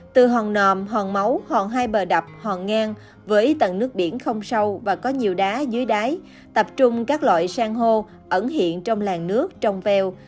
từ hòn nòm hòn máu hòn hai bờ đập hòn ngang với tầng nước biển không sâu và có nhiều đá dưới đáy tập trung các loại sang hô ẩn hiện trong làng nước trong veo